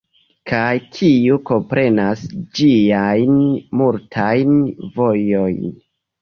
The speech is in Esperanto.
Kaj kiu komprenas ĝiajn multajn vojojn?